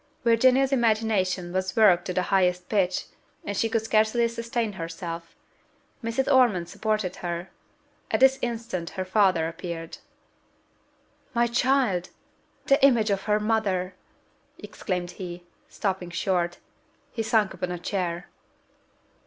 Virginia's imagination was worked to the highest pitch; she could scarcely sustain herself: Mrs. Ormond supported her. At this instant her father appeared. "My child! the image of her mother!" exclaimed he, stopping short: he sunk upon a chair.